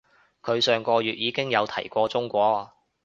佢上個月已經有提過中國